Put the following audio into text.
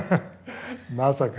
まさか。